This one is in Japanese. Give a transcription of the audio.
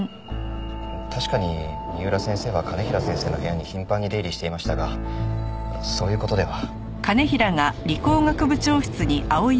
確かに三浦先生は兼平先生の部屋に頻繁に出入りしていましたがそういう事では。